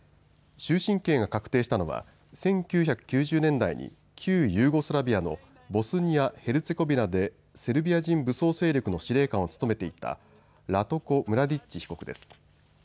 終身刑が確定したのは１９９０年代に旧ユーゴスラビアのボスニア・ヘルツェゴビナでセルビア人武装勢力の司令官を務めていたラトコ・ムラディッチ被告です。